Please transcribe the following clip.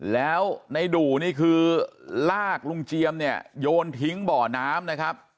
แล้วในดู่นี่คือลากลุงเจียมเนี่ยโยนทิ้งบ่อน้ำนะครับ